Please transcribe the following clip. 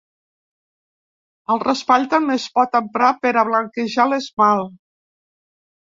El raspall també es pot emprar per a blanquejar l'esmalt.